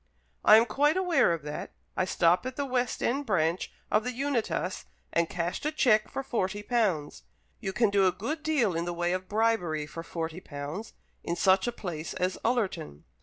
"I am quite aware of that. I stopped at the West end branch of the Unitas and cashed a cheque for forty pounds. You can do a good deal in the way of bribery for forty pounds, in such a place as Ullerton.